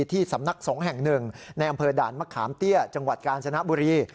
ที่สำนักสงฆ์แห่งหนึ่งในอำเภอด่านมะขามเตี้ยจังหวัดกาญจนบุรี